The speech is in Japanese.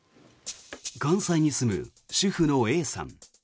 関西に住む主婦のＡさん。